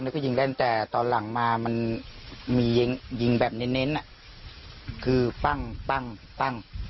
แล้วก็ยิงแร้งแต่ตอนหลังมามันมียิงแบบเน้นอ่ะคือปั้งปั้งปั้ง